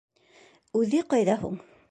Үҙе ҡайҙа һуң?